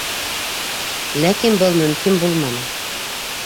Ләкин был мөмкин булманы.